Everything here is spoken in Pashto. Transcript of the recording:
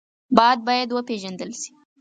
باد باید وپېژندل شي